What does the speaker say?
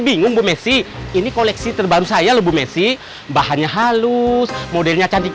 bingung bu messi ini koleksi terbaru saya loh bu messi bahannya halus modelnya cantik